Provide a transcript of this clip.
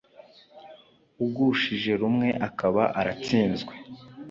ugushije rumwe akaba aratsinzwe.